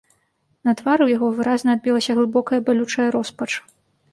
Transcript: На твары ў яго выразна адбілася глыбокая балючая роспач.